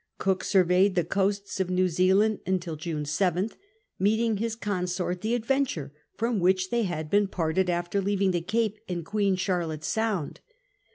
Cook surveyed the coasts of New Zealand till June 7th, meeting his consort the Adv^ture^ from which they had been parted after leaving the Cape in Queen Charlotte Sound.